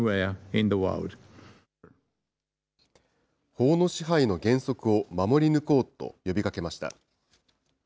法の支配の原則を守り抜こうと呼びかけました。